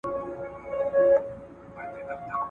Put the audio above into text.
انرژي د تمرین شدت او وخت پورې اړه لري.